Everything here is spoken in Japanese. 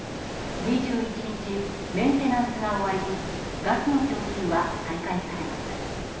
２１日、メンテナンスが終わりガスの供給は再開されました。